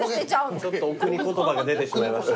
お国言葉が出てしまいました。